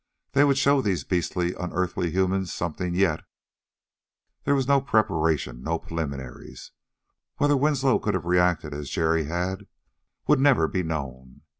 They would show these beastly, unearthly humans something yet. There was no preparation no preliminaries. Whether Winslow could have reacted as Jerry had would never be known.